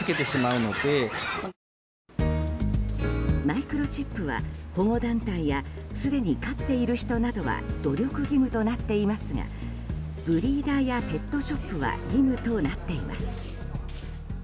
マイクロチップは保護団体やすでに飼っている人などは努力義務となっていますがブリーダーやペットショップは義務となっています。